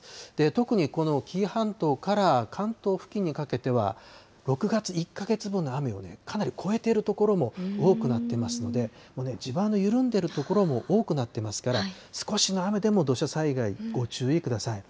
特にこの紀伊半島から関東付近にかけては、６月１か月分の雨をかなり超えている所も多くなってますので、地盤の緩んでいる所も多くなってますから、少しの雨でも土砂災害、ご注意ください。